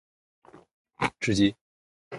吃鸡